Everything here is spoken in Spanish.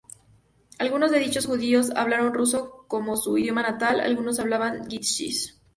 Algunos de dichos judíos hablaban ruso como su idioma natal; algunos hablaban yiddish.